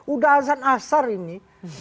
udah azan asar ini